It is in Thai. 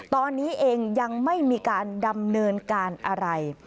ตอนนี้เองยังไม่มีการดำเนินการอะไร